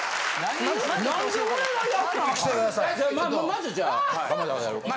まずじゃあ浜田がやろうか。